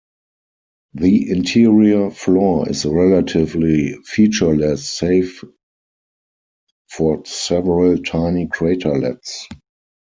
The interior floor is relatively featureless save for several tiny craterlets.